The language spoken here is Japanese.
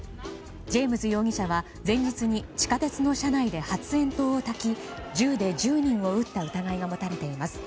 ジェームズ容疑者は前日に地下鉄の車内で発煙筒をたき銃で１０人を撃った疑いが持たれています。